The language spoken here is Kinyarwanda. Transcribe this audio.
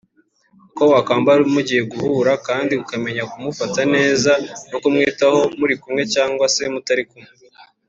ibyo wakambara igihe mugiye guhura kandi ukamenya kumufata neza no kumwitaho muri kumwe cyangwa se mutari kumwe